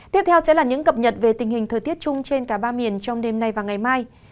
tiếp theo sẽ là những cập nhật về tình hình thời tiết chung trên cả ba miền trong đêm nay và ngày mai